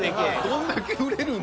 どんだけ売れるん？